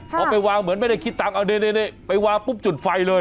พอไปวางเหมือนไม่ได้คิดตังค์เอานี่ไปวางปุ๊บจุดไฟเลย